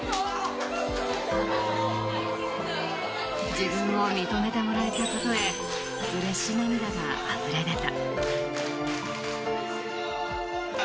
自分を認めてもらえたことへうれし涙があふれ出た。